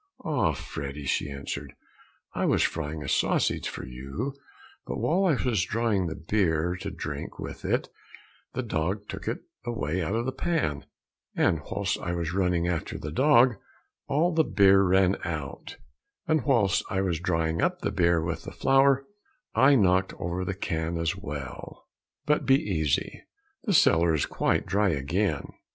"Ah, Freddy," she answered, "I was frying a sausage for you, but whilst I was drawing the beer to drink with it, the dog took it away out of the pan, and whilst I was running after the dog, all the beer ran out, and whilst I was drying up the beer with the flour, I knocked over the can as well, but be easy, the cellar is quite dry again."